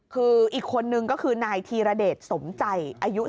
คืออีกคนนึงนายธีระเด็จสมใจ